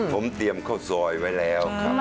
ผมเตรียมข้าวซอยไว้แล้วครับ